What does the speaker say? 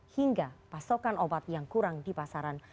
hingga pasokan obat yang kurang di pasaran